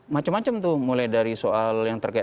macam macam tuh mulai dari soal yang terkait